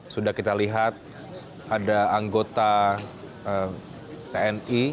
sudah kita lihat ada anggota tni